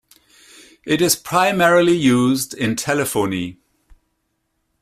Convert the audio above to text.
It is primarily used in telephony.